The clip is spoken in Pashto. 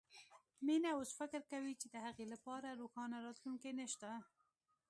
مينه اوس فکر کوي چې د هغې لپاره روښانه راتلونکی نه شته